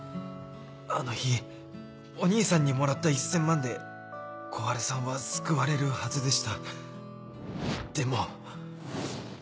あの日お義兄さんにもらった１千万で小春さんは救われるはずでしたでも